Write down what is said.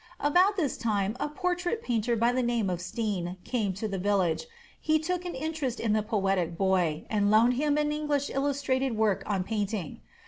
About this time a portrait painter by the name of Stein came to the village. He took an interest in the poetic boy, and loaned him an English illustrated work on painting.